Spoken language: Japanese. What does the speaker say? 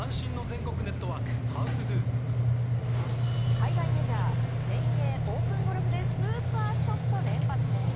海外メジャー全英オープンゴルフでスーパーショット連発です。